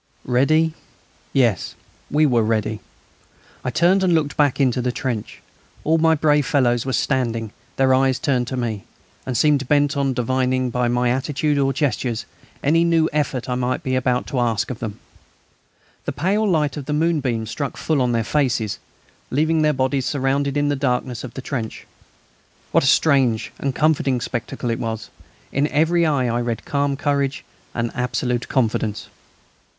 Ready? Yes, we were ready. I turned and looked back into the trench. All my brave fellows were standing, their eyes turned to me, and seemed bent on divining by my attitude or gestures any new effort I might be about to ask of them. The pale light of the moonbeams struck full on their faces, leaving their bodies shrouded in the darkness of the trench. What a strange and comforting spectacle it was! In every eye I read calm courage and absolute confidence.